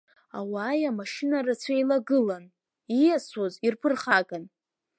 Ауааи амашьына рацәеи еилагылан, ииасуаз ирԥырхаган.